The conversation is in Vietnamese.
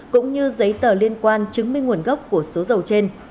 cũng như giấy tờ liên quan chứng minh nguồn gốc của số dầu trên